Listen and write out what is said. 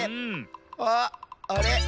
あっあれ？